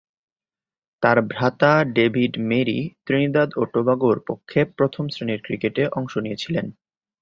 তার ভ্রাতা David Murray Trinidad ও টোবাগো’র পক্ষে প্রথম-শ্রেণীর ক্রিকেটে অংশ নিয়েছিলেন।